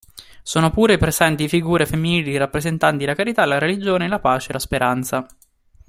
Sono pure presenti figure femminili rappresentanti la carità, la religione, la pace, la speranza.